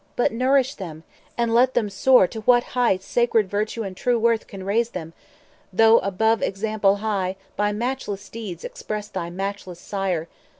but nourish them, and let them soar 230 To what highth sacred virtue and true worth Can raise them, though above example high; By matchless deeds express thy matchless Sire.